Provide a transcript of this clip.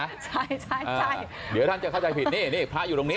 ใช่ใช่เดี๋ยวท่านจะเข้าใจผิดนี่นี่พระอยู่ตรงนี้